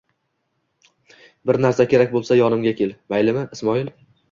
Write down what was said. Bir narsa kerak bo'lsa, yonimga kel, maylimi, Ismoil.